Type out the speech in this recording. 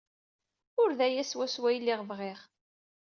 Ur d aya swaswa ay lliɣ bɣiɣ.